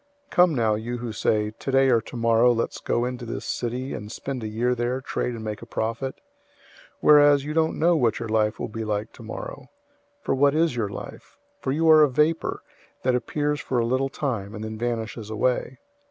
004:013 Come now, you who say, "Today or tomorrow let's go into this city, and spend a year there, trade, and make a profit." 004:014 Whereas you don't know what your life will be like tomorrow. For what is your life? For you are a vapor, that appears for a little time, and then vanishes away.